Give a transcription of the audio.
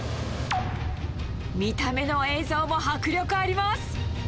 見た目の映像も迫力あります。